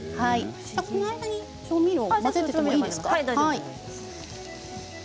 この間に調味料を混ぜていてもいいですか？